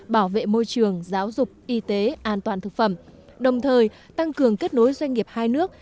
bảo vệ môi trường giáo dục y tế an toàn thực phẩm đồng thời tăng cường kết nối doanh nghiệp hai nước